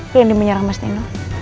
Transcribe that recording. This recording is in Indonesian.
brandi menyerang mas nino